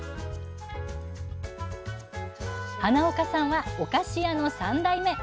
花岡さんはお菓子屋の３代目。